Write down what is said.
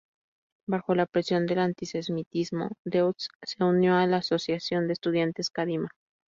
Bajo la presión del antisemitismo, Deutsch se unió a la asociación de estudiantes "Kadima".